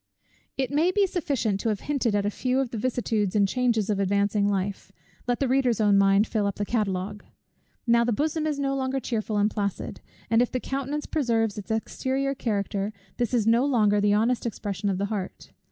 It may be sufficient to have hinted at a few of the vicissitudes and changes of advancing life; let the reader's own mind fill up the catalogue. Now the bosom is no longer cheerful and placid; and if the countenance preserve its exterior character, this is no longer the honest expression of the heart.